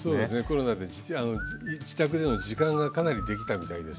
コロナで自宅での時間がかなりできたみたいですね。